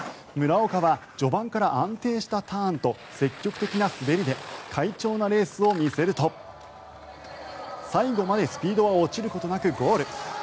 村岡は序盤から安定したターンと積極的な滑りで快調なレースを見せると最後までスピードは落ちることなくゴール。